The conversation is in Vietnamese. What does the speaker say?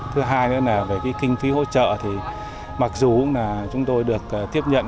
thứ hai nữa là về cái kinh phí hỗ trợ thì mặc dù là chúng tôi được tiếp nhận